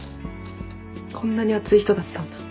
こんなに熱い人だったんだ。